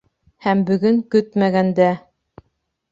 Һәм бөгөн, көтмәгәндә...